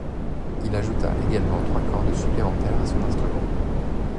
Il ajouta également trois cordes supplémentaires à son instrument.